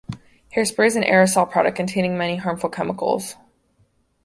Hairspray is an aerosol product containing many harmful chemicals.